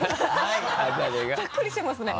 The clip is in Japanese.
ざっくりしてますね。